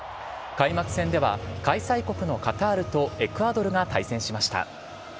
開幕戦では、開催国のカタールとエクアドルが対戦しました。